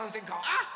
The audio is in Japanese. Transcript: あっ！